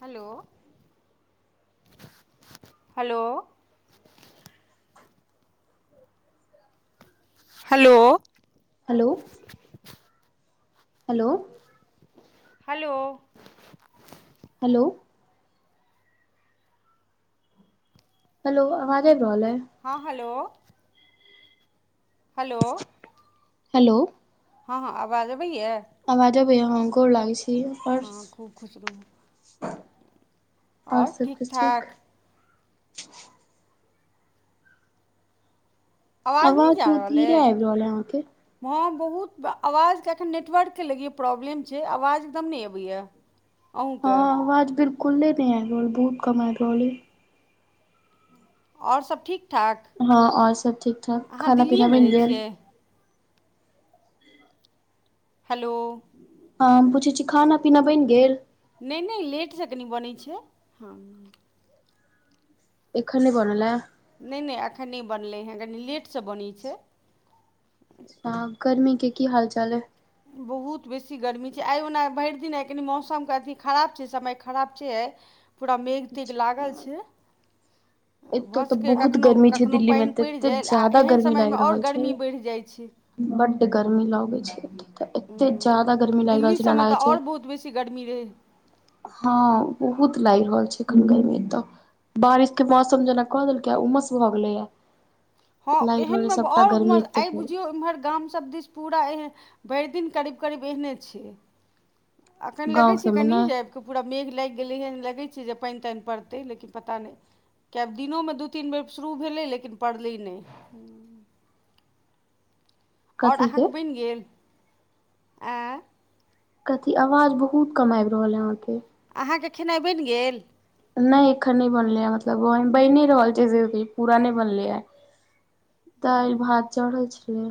Hello hello. Hello. Hello. Hello. Hello. Hello. Hello आवाज आबि रहल ऐ। हाॅं हलो। हलो। हलो। हँ हँ आवाज अबैया। आवाज आबै ये हम गोर लागै छी। आओर हाॅं खूब खुशरहूँ। आओर और सब ठीक किछ ठाक। आवाज नहि जा बहुत रहल धीरे ये? आबि रहल अइ अहाँके हँ बहुत आवाज के अखन नेटवर्क के लगैया प्रॉब्लम छै आवाज एकदम नहि अबेया। हँ आवाज बिलकुले नहि आइब रहल बहुत कम आबि रहलये। और सब ठीक ठाक हँ आओर सब ठीक ठाक अहाँ खाना पीना दिल्लीएमे बनि रहै गेल छियै। हेलो। हँ हम पूछै छी खाना-पीना बनि गेल। नै नै लेटसँ कनि बनै छै। एखन नहि बनलेए। नै नै अखन नहि बनलै हे कनी लेटसँ बनै छै। अच्छा गर्मी के की हाल चाल अइ। बहुत बेसी गर्मी छै आइ ओना भैइर दिन आइ कनि मौसमके अथि खराब छै समय खराब छै आइ। पूरा मेघ-तेघ लागल छै। एतेय भऽ तऽ सकैए बहुत कखनो गर्मी छै कखनो दिल्ली मे पानि पड़ि तऽते जाय आ ज्यादा एहन गर्मी समयमे लागि आओर रहल छै। गर्मी बढ़ि जाइ छै बड्ड गर्मी लगै छै। तऽ एते जादा गर्मी लागि दिल्ली रहल छै न सभमे लागै तऽ छै। आओर बहुत बेसी गर्मी रहै हँ बहुत लाइग रहल छै। एखन गर्मी तऽ बारिश के मौसम जेना क देलकैए आ उमस भऽ गेलेैया। हँ एहन मे गर्मी और एते आइ भेल बुझियौ एम्हर गाम सब दिस पूरा ए भरि दिन करीब-करीब एहने छै अखन गाँव लगै छै सबमे ने कनि जे पूरा मेघ लागि गेलै हन लगै छै जे पाइन ताइन पड़तै लेकिन पता नै किआ दिनोमे दू- तीन बेर शुरू भेलै लेकिन पड़लै नै। और कथी अहाँके के बनि गेल आऽ कथी आवाज बहुत कम आबि रहल अइ अहाँके। अहाँके खेनाइ बनि गेल? नैय एखन नै बनलैया है मतलब ओ बनि रहल छै जे पूरा नै बनलैया। दाइल, भात चढ़ल छलै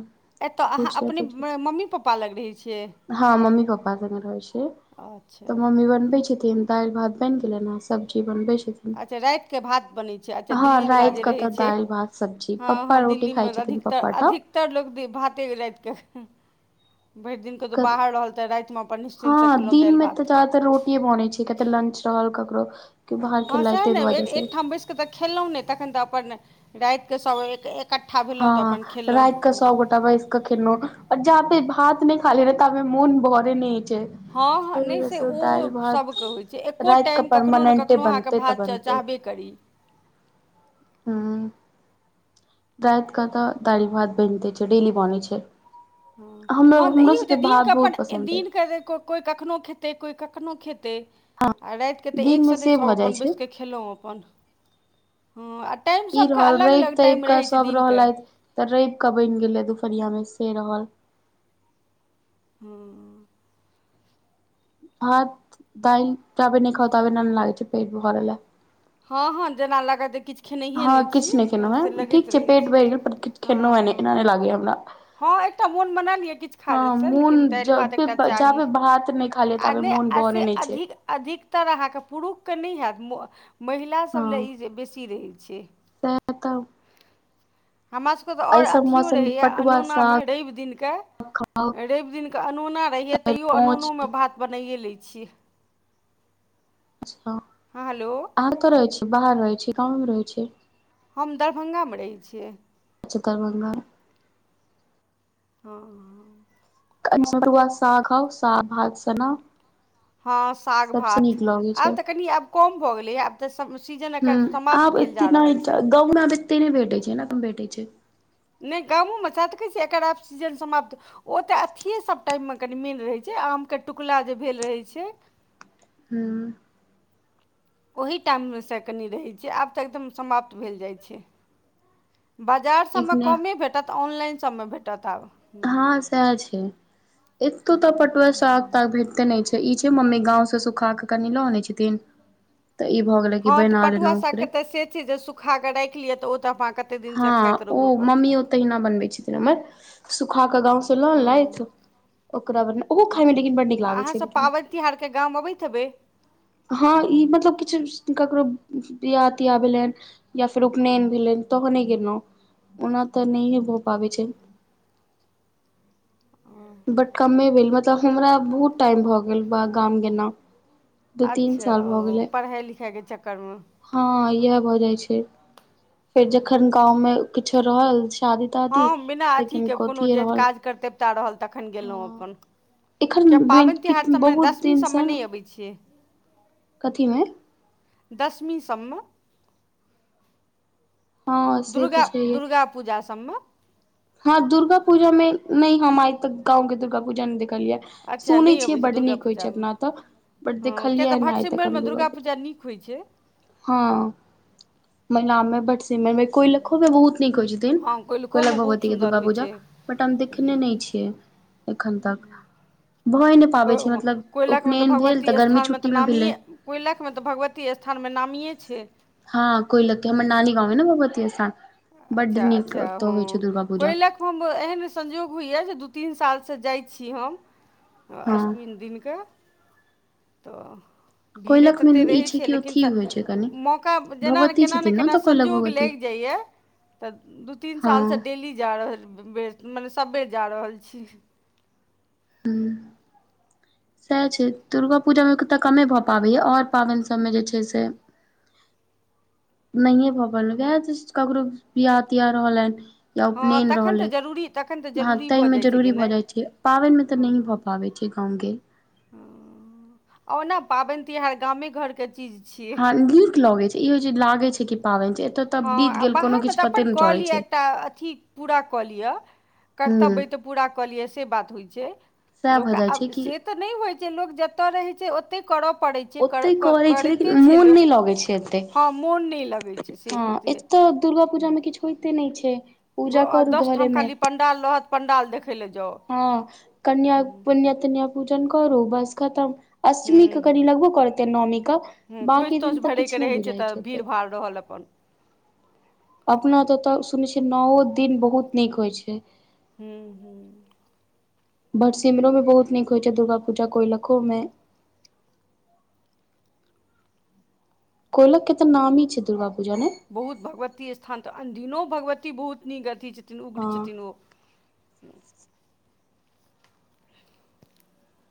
एतय अहाँ भुझिया अपने तुजिया। मम्मी पप पा लग रहै छियै। हँ मम्मी पप्पा संगे रहै छियै अच्छा तऽ मम्मी बनबै छथिन। त दाइल भात बइन गेलेन ह सब्जी बनबै छथिन। अच्छा रातिके भात बनै छै अच्छा हँ दिल्लीवला जे राति क रहै तऽ छै दाइल भात सब्जी पप्पा रोटी खाय छथिन। पप्पा टब तड़ लोक भी भाते राति कऽ खे भैर दिन कतौ बाहर रहल तऽ रातिमे अपन निश्चिन्त सँ खेलहुँ दालि भात। रोटीेये बनै छै किया तऽ लंच रहल ककरो कियो बाहर हँ खेलैथ सएह तै ने एक वजह से। एकठाम बैसि तऽ खेलहुँ नै तखन तऽ अपन राति क सब एक- एक हँ राति कऽ सब गोटा बैस केखनो जाबै भात नै खा लेबय ताबै मोन भरेै नै छै हँ तै हँ नै वजह से ओ दालि भात सबके होइ छै एक्को राति कऽ टाइम कखनो ने परमानेंटे कखनो अहाँ के बनतै तऽ भात चा बनतै चाहबे करी हुँ राइत क तऽ दाइल भात बैनते छै, डेली बनेै छै हँ- हमरा हँ तऽ हमरो ई होय सबके छै भात दिनक अपन बहुत पसन्द अइ दिनक ज कोइ कखनो खेतै कोइ कखनो खेतै आ राइत के तऽ एक दिनमे संगे से सब भऽ जाइ अपन छै बैस कऽ खेलौं अपन हँ आ टाइम ई सबके रहल अलग- रवि अलग तवि टाइम कऽ रहै छै सब दिनके रहलथि तऽ रैव कऽ बैन गेलै दुपहरिया मे से रहल हूँ भात -दाइल जाबे नेै खाउ ताबे नै लागै छै पेट भरलये हँ हँ जेना लगात जे किछ हँ किछ नै खेन्नौ है ठीक छै पेट भैर गेल पर किछ खेन्नौं हँ हेै नै एना हँ नै लागै य हमरा हँ एकटा मोन मना ल यऽ किछ खाय हँ लयसे मोन लेकिन दालि भात जाबे एकटा जाबे चाही भात नहि खा लिअ आ ताबे नै मोन आ भरै से नहि छै अधिक अधिकतर अहाँके पुरुक क नै हैत म महिला सब हँ लए इजे बेसी रहै छै सएह तऽ हमरा तऽ और एहि सब अथियो मौसममे रहैया पटुआ अनोना साग मे रैव दिन कऽ खाउ रैव दिन कऽ अनोना रहै य तैयो कोंच अनोनो मे भात बनाइए लै छियै अच्छा हँ हेलो अहाँ कत रहै छीयै बाहर रहै छीयै गाँमे मे रहै छीयै हम दरभंगामे रहै छियै अच्छा दरभंगा ह-हं आ साग खाउ साग, भात, सन्ना [unintelligible] हँ साग भात लगै छै आब त कनी आब कम भ गेलै ए आब त सब् सीजन हुँ एकर आब समाप्त भेल एते जा रहल नहि छै गाँव में आब [unintelligible] ओते नै भेटै छय न कम भेटै छय नहि गामो मे सैह त कहै छियै एकर आब सिजन समाप्त ओ तऽ अथिए सब टाइम मे कनि मेन रहै छय आमके टुकुला जे भेल रहै छय हूँ ओहि टाइम मेसँ कनि रहै छय आब तऽ एकदम समाप्त भेल जाइ छय बाजार सबमे एखने कमे भेटत ऑनलाइन सबमे भेटत आब ह सैह छय एतउ त पटुआ साग ताग भेट तो नहि छै ई छै मम्मी गााँव से सुखा क कनि ल आनै छथिन त ई भ गेलै कि हँ तऽ बना लेलौ पटुआ सागके ओकरे से चीज सु खा राखि लिअ ओ त पाकत हँ ओ मम्मीओ तहिना बनबे छथिन हमर सूखा क गांव स ल हँ अनलैथ ओकरा बनेल ओहो खाइ में लेकिन बड़ नीक लागै छय तिहार के गाम अबैत हेबय हँ ई मतलब किछु ककरो बियाह तियाह भेलैन या फेर उपनयन भेलय तहने गेन्नौं ओना त नहिये भ पाबै छय बट कमे भेल, मतलब हमरा बहुत टाइम भ गेल ब गाम गेला। अच्छा ओ पढ़ाइ -लिखाइ के चक्कर मे। हँ इह भऽ जाय छय, फेर जखन गांव मे किछो रहल। शादी- तादी, हँ बिना लेकिन अथीके कोनो कथिये जे रहल काज करतेवता रहल तखन गेलहुँ हँ। अपन एखन किया पाबनि तिहार ब्लेनकिट में सभमे बहुत दशमी सभमे दिनसँ, नहि अबै छियै कथी मे? दशमी सब में। हँ से तऽ दुर्गा छैहे दुर्गा पूजा सब मे। हँ, दुर्गा पूजा में नहि, हम आइ तक गाँंव के दुर्गा पूजा नहि देखलियै। अच्छा सुनै नहि छियै अबै छै बड्ड दुर्गा नीक होइत छै पूजामे अपना ओत। बट हँ किया देखलियै तऽ नहि आइ तक हम भटसिमैरमे दुर्गा पूजा। नीक होइ छै हँ मैलाम में, भटसिमर में। कोइलखो मे बहुत नीक होइ छथिन, हँ कोइलख कोइलखोमे बहुत भगवती के सुन्दर दुर्गा होइ पूजा। छै बट हम देखने नहि छियै, एखन तक, भए नहि पाबै को छै, मतलब कोइलखमे उपनयन भेल त गर्मी छुट्टी मे भेलै। कोइलख मे तऽ भगवती स्थान मे नामिये छय। हँ कोइलख के, हमर नानी गाँंव अई ने भगवती स्थान, बड अच्छा नीक अच्छा ओत होइ छय हँ दुर्गा पूजा। कोयलख हम एहन संयोग होइया जे दू तीन साल सँ जाइ छी हम। हँ अष्टमी दिन क त भीड़े कोइलख मे ततेक ई रहै छै, कि लेकिन अथी होइ छै कनि मौका जेना भगवती केना ने छथिन केना ओतऽ कोइलख संजोग भगवती लागि जाइए। तऽ दू तीन सालसँ हँ डेली जा रहल, स मने सब बेर जा रहल छी। हूँ। सएह छै, दुर्गा पूजामे त कमे भ पाबै य, और पाबैन सब मे जे छय से नहिए भऽ पैल, वएह दिश ककरो बियाह -तियाह रहलैन। या हँ उपनयन तखन तऽ रहलै, जरूरी तखन तऽ ह जरूरी तय भऽ मे जाइ छै जरूरी भए गेनाइ जाइ छै, पाबनि में त हँ नही भ पाबै छै गाम गेल। हँ, ओना पाबनि -तिहार गामे घर के चीज छियै। हँ नीक लगै छय, ई होइ छय लागै छै कि पाबनि छय, एतअ हँ आ बाहर मे त अपन क लिय एकटा अथी पूरा कऽ लिय, हूँ कर्तव्य अय त पूरा क लिय, से बात होइ छय। सएह लोक भऽ जाइ छै आब, कि से त नहि होइ छय, लोक जतय रहै छय ओतहि करय पड़ै। जे क रै ओते के करै छै कैरते लेकिन छय मोन लोक, नहि लगै छै एते हँ मोन नहि लगै छय। हँ एतऽ दुर्गा पूजामे किछु होइते नहि छै। पूजा गो- आ करू दस ठाम घरेमे, खाली पण्डाल रहत पण्डाल देखय लए जाउ हँ कन्या हूँ पुन्य -तन्य पूजन करू बस खतम, अष्टमी क करी लग ह खोइछ -तोछ तऽ किछु भरयके नहि रहै छै बुझाइ तऽ, एते भीड़- भाड़ रहल अपन। अपना तऽ तऽ सुनै छियै नओ दिन बहुत नीक होइ छै। हूँ- हू। भट सिमरोमे बहुत नीक होइ छै दुर्गा पूजा, कोयलखोमे। कोइलख के त नामी छै दुर्गा पूज ने? बहुत भगवती स्थान तऽ, अनदिनो भगवती बहुत नीक अथी छथिन उग्र हँ छथिन ओ।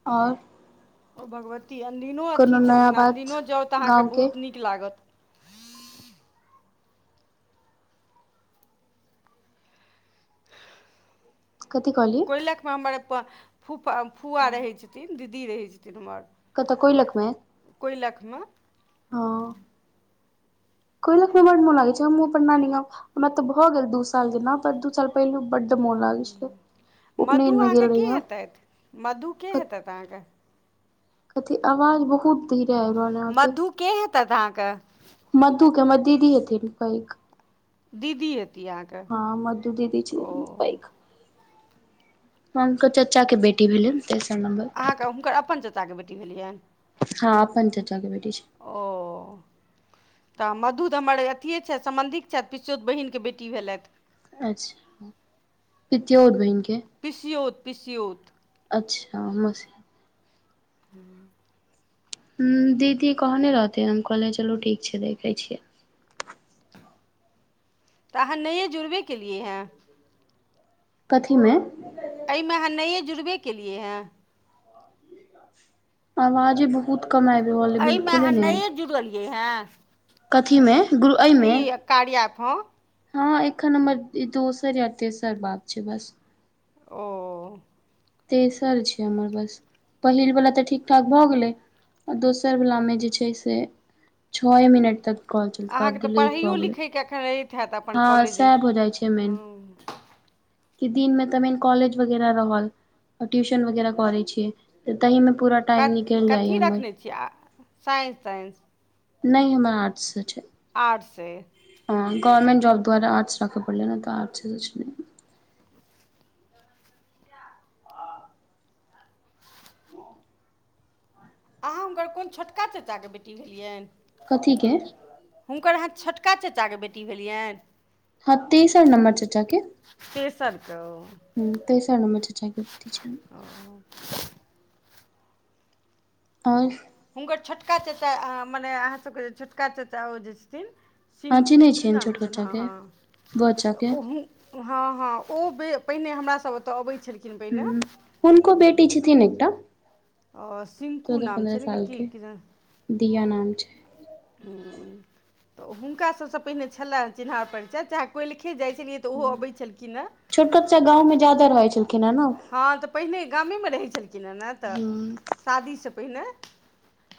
आओर। ओ भगवती अनदिननो अथथि कोनो नया छथिन, बात अनदिनो जाउ तऽ अहाँकेँ गाँव के बहुत नीक लागत। कथी कहलियै कोइलखमे हमर प फुा फुआ रहै छथिन दीदी रहै छथिन, हमर। कतऽ कोइलखमे? कोइलखमे। हँ कोयलख में बड मोन लागै छै हमहुँ अपन नानी हमरा तऽ भऽ गेल दू साल जेना पर दू साल पहिलू बड्ड मोन लागै छलै उपनयन में गेल रहि हम मधुके हेत अहाँके कथी आवाज बहुत धीरे आव रहल य आहाँ के मधु के हेतत अहाँके मधु के हमर दीदी हेथिन पैघ दीदी हती आहाँक हँ मधू दीदी छै पैघ उनकर चचा क बेटी भेलैन तेसर नम्बर तो हुनकर अपन चच्चा के बेटी भेलियैन हं अप्पन चच्चा क बेटी छै ओ तऽ मधु द हमर अथिये छैथ समबन्धिक छैत पिसियोत बहिनके बेटी भेलैथ अच्छा पितियोओर बहिनक के पिसियोत- पिसियोत अच्छा हमस हूँ [unintelligible] ह दीदी कहने रहती हम कहलिय चलू ठीक छै देखै छियै तऽ अहाँ नयए जुड़बे केलियै हँ कथिमे अइमे अहाँ नयए जुड़बे केलियै हें आवाजे बहुत कम आयब रहल अय, बिल्कुले नै आय ए है कथीमे गुरु अइमे कारिया एप हं हँ एखन हमर दोसर या तेसर बात छै बस ओ तेसर छै हमर बस पहिलवला तऽ ठीक- ठाक भऽ गेलै आ दोसरवलामे जे छै से छए मिनट तक कॉल चलतका अहाँकेँ तऽ पढ़ैयओ लिखैके एखन रहैत हैत अपन हं कॉलेज सै भअ जाइ छै मेन हँ कि दिन मे तऽ मेन कॉलेज वगैरह रहल ट्यूशन वगैरह करै छियै तऽ तहि में पूरा क टाइम निकलि जाइए कथी हमर रखने छियै आ साइंस ताइंस नइ हमर आटसे छै आटसे हाॅं गवर्नमेंट जॉब द्वारे आर्टस राख परलै ने तऽ आटसे स छलैया अहाँ हुनकर कोन छोटका चच्चाके बेटी भेलियेन कथी के हुनकर अहाँ छोटका चच्चाके बेटी भेलियैन हाॅं तेसर नम्बर चच्चा के तेसरक ओ हूॅं तैसर नम्बर चचा के बेटी छैन ओ। और। हुनकर छोटका चचा, मने अहाँसभके जे छोटका चचा ओ जे छथिन। अहाँ सिन्कू, चिन्है की छियनि नाम छोट छिअनि, हाॅं बच्चाके -हँ, बच्चाके तऽ उह हाॅं -हाॅं ओ बे पहिने हमरासे ओतय अबैत छलखिन। पहिने हूॅं, हुनको बेटी छथिन एकटा। सिंकू नाम चौदह-पन्द्रह छै ने की साल के, दीया नाम छै। हूॅं। तऽ हुनका सभसे पहिने छलए चिन्हहार परिचय, चाहे कोइलिखे जाइत छलियै, तऽ ओहो हूॅं, अबैत छलखिन हेँ छोटकाचचा गाँवमे ज्यादा रहैत छलखिन हे ने। हाॅं, तऽ पहिने गामे रहै छलखिन हाॅं ने, तऽ ह शादीसे पहिने।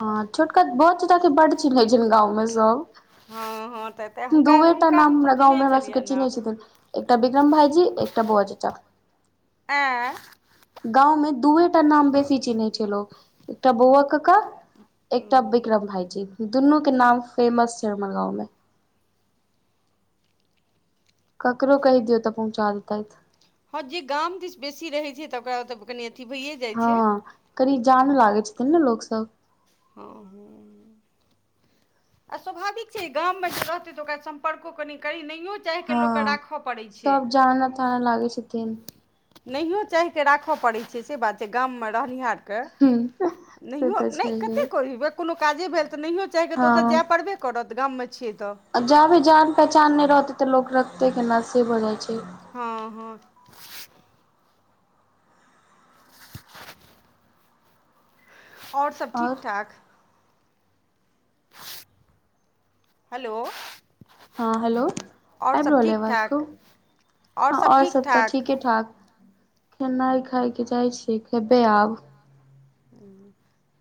हाॅं छोटका बहुत चचा के बड चिन्है छै, गाँवमें सब। हाॅं- हाॅं, तऽ तेँ हुनका दूएटा हुनका नाम हमरा हमसभ गाँवमे चिन्हैत हमरा सभके छलियनि हेँ चिन्हैत छथिन, एकटा विक्रम भाईजी, एकटा बौआ चचा। आएह? गाँवमें दूएटा नाम बेसी चिन्है छै लोक! एकटा बौआकका। एकटा विक्रम भाईजी, दुनू के नाम फेमस छै, हमर गाँंव में। ककरो कहि दियौ तऽ पहुँचा देतैथ। हाॅं जे गाम दिस बेसी रहै छै, तऽ ओकरा तऽ कनि अथी भइये हाॅं कनि जानै लागै छथिन ने लोक सब। हाॅं- हूॅं। आ स्वाभाविक छै, जे गाम मे जे रहते तऽ ओकरा सम्पर्को कनि करी नहि चाहिकेऽ लोकके राखऽ पड़ै छै। ताने लागै छथिन। नहियो चाहिके राखऽ पड़ै छै, से बात छै, गाममे रहनिहार कऽ, हूँ से नहियो तऽ नै छैहे कतेक कहबि कोनो काजे भेल तऽ नहियो चाहीके तऽ ओतय जाय पड़बै करत, गाममे छियै तऽ। जाबै जान -पहचान नहि रहते तऽ, लोक रखते केना से भऽ जाइ छै। हाॅं- हाॅं। और सब आओर ठीक ठाक? हलो! हाॅं, हलो आइब रहल आवाज ठाक कहूॅं। हाॅं, आओर सब तऽ ठीक के ठाक। खेनाइ खाय के चाह छियै, खेबे आब।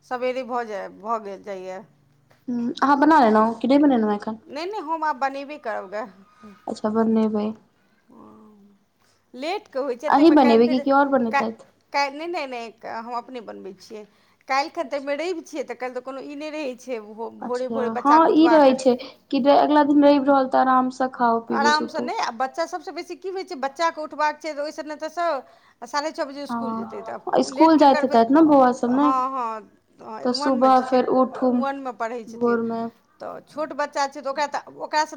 सबेरे भऽ जाय भऽ गेल जाइय। हूॅं, अहाँ बना लेलउ, की नइ बनेलऽउ अखन? नहि-नहि हम आब बनेबे करब गे। अच्छा बनबे। हाॅं, लेटके होइ छै, अहीं ताहिमे काल्हि बनेबै कि फेर केओ आओर बनेतैथ काल्हि काल्हि नहि-नहि-नहि हम अपने बनबै छियै, काल्हिखन तऽ अच्छा मे रैव छियै, काल्हि कोनो ई नहि रहै छै, ओहो अच्छा हाॅं ई रहे छै, कि जे अगला दिन रैव रहल तऽ आराम से खाउ पिबु आरामसँ सुतू। नहि आ बच्चा सभसँ बेसी की होइ छै, बच्चा कऽ उठबाक छै तऽ ओहि सने तऽ सब। आ साढ़े छऽ बजे उ इस्कूल जेतै, तऽ हँ ओ इसकुल लेटके जाइत करबै हेतैथ ने बौआ तऽ सब ने हँ- हँ। तऽ उ वन में सुबह फेर छथिन, उठू वन में पढ़ै छथिन। भोरमे तऽ छोट बच्चा छै तऽ, ओकरा तऽ ओकास